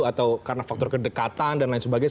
atau karena faktor kedekatan dan lain sebagainya